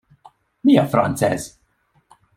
Mi a franc ez?